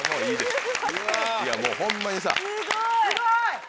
すごい！